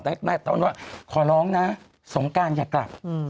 แต่ตอนว่าขอร้องนะสงการอย่ากลับ